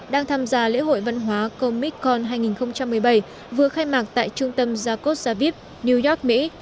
đang tham gia lễ hội văn hóa comic con hai nghìn một mươi bảy vừa khai mạc tại trung tâm jakos javid new york mỹ